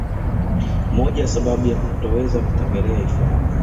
Moja ya sababu ya kutoweza kutembelea hifadhi